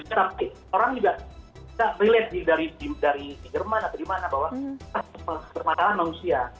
tapi orang juga bisa relate dari jerman atau dimana bahwa bermasalah manusia